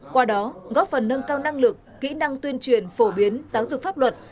qua đó góp phần nâng cao năng lực kỹ năng tuyên truyền phổ biến giáo dục pháp luật